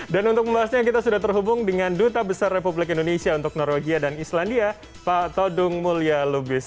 dan untuk pembahasannya kita sudah terhubung dengan duta besar republik indonesia untuk norwegia dan islandia pak todung mulya lubis